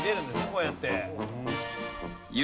こうやって。